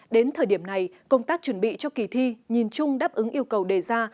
đến thời điểm này công tác chuẩn bị cho kỳ thi nhìn chung đáp ứng yêu cầu đề ra